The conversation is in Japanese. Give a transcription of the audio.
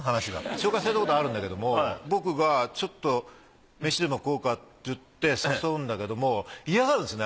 紹介されたことはあるんだけども僕がちょっと飯でも食おうかって言って誘うんだけども嫌がるんですね